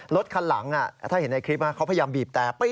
รถคันหลังถ้าเห็นในคลิปเขาพยายามบีบแต่